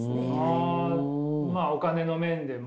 まあお金の面でも。